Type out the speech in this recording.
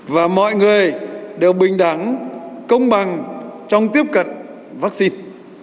và mọi người đều bình đẳng công bằng trong tiếp cận vaccine